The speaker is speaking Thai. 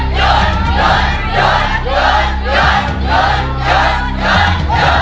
โชคดีค่ะ